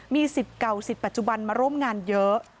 มีสิทธิ์เก่าสิทธิ์ปัจจุบันมาร่วมงานเยอะ